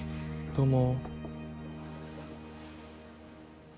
どうも。